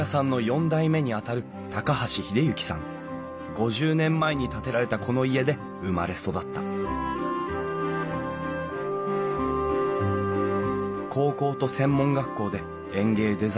５０年前に建てられたこの家で生まれ育った高校と専門学校で園芸デザインを勉強。